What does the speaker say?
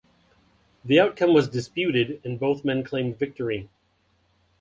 The outcome was disputed, and both men claimed victory.